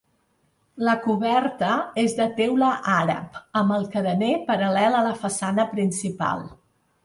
La coberta és de teula àrab amb el carener paral·lel a la façana principal.